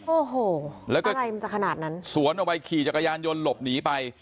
โอ้โหแล้วก็อะไรมันจะขนาดนั้นสวนออกไปขี่จักรยานยนต์หลบหนีไป